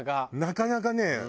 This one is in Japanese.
なかなかね。